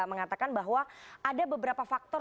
mengatakan bahwa ada beberapa faktor